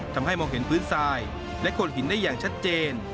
ทำให้มองเห็นพื้นทรายและโคนหินได้อย่างชัดเจน